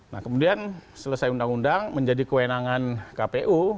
nah kemudian selesai undang undang menjadi kewenangan kpu